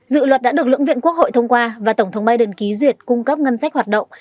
dự luật đã được lưỡng viện quốc hội thông qua và tổng thống biden ký duyệt cung cấp ngân sách hoạt động